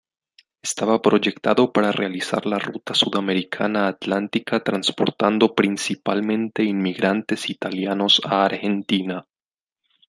Estaba proyectado para realizar la ruta sudamericana atlántica transportando principalmente inmigrantes italianos a Argentina.